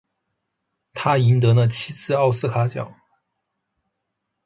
他赢得了七次奥斯卡奖。